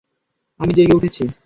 আমি জেগে উঠেছি!